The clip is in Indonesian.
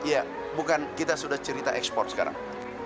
ya bukan kita sudah cerita ekspor sekarang